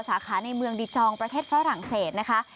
สาขาในเมืองดิจองประเทศฝรั่งเศสนะคะ